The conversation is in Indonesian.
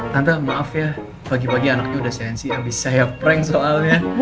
tante maaf ya pagi pagi anaknya udah sensi habis saya prank soalnya